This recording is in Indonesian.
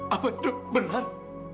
apa itu benar